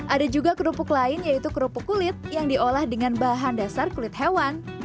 ada juga kerupuk lain yaitu kerupuk kulit yang diolah dengan bahan dasar kulit hewan